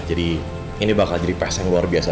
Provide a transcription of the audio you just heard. jadi ini bakal jadi pas yang luar biasa